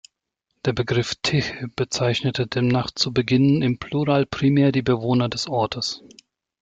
Der Begriff "Tychy" bezeichnete demnach zu Beginn im Plural primär die Bewohner des Ortes.